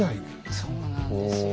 そうなんですよ。